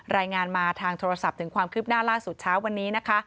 รายงานมาทางโทรศัพท์ถึงความคืบหน้าล่าสุดเช้าวันนี้นะคะ